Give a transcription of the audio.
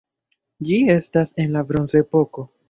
Ĝi estas el la bronzepoko.